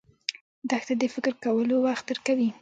دښته د فکر کولو وخت درکوي.